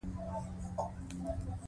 موږ باید له ناامیدۍ ځان وساتو